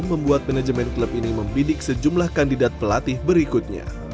membuat manajemen klub ini membidik sejumlah kandidat pelatih berikutnya